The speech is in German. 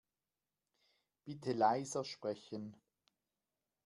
Bitte leiser sprechen.